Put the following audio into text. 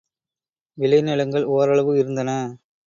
விளை நிலங்கள் ஓரளவு இருந்தன.